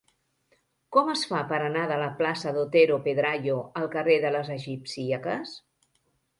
Com es fa per anar de la plaça d'Otero Pedrayo al carrer de les Egipcíaques?